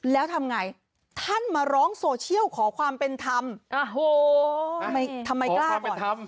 แล้วทำไงท่านมาร้องโซเชียลขอความเป็นธรรมโอ้โหทำไมกล้าก่อนทำ